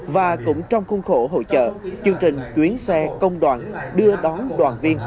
và cũng trong khung khổ hội trợ chương trình chuyến xe công đoàn đưa đón đoàn viên